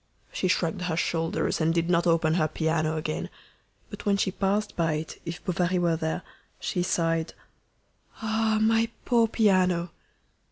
She shrugged her shoulders and did not open her piano again. But when she passed by it (if Bovary were there), she sighed "Ah! my poor piano!"